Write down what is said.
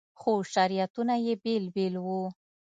خو شریعتونه یې بېل بېل وو.